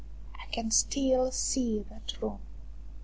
I can still see that room.